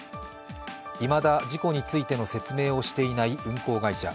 いまだ事故についての説明をしていない運航会社。